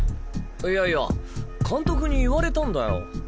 いやいや監督に言われたんだよ。